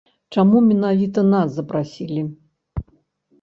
Чаму менавіта нас запрасілі?